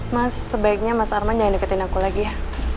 mas sebaiknya mas arman jangan deketin aku lagi ya